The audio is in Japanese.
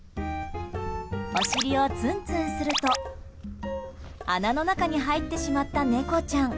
お尻を、つんつんすると穴の中に入ってしまった猫ちゃん。